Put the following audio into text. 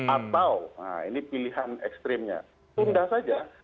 atau nah ini pilihan ekstrimnya tunda saja